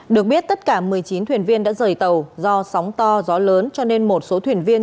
được biết tất cả một mươi chín thuyền viên đã rời tàu do sóng to gió lớn cho nên một số thuyền viên